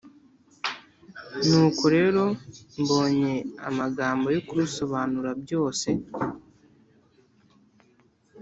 Ni uko rero mbonye amagambo yo kurusobanura byose